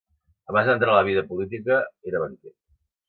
Abans d'entrar a la vida política, era banquer.